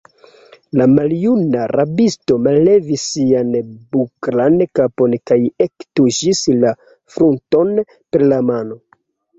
La maljuna rabisto mallevis sian buklan kapon kaj ektuŝis la frunton per la mano.